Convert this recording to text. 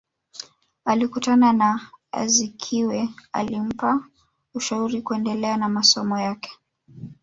Alikutana na Azikiwe alimpa ushauri kuendelea na masomo yake